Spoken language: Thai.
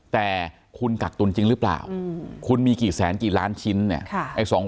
แต่คุณกักตุลจริงหรือเปล่าคุณมีกี่แสนกี่ล้านชิ้นเนี่ย